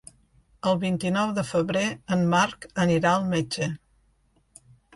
El vint-i-nou de febrer en Marc anirà al metge.